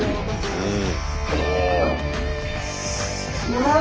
うん。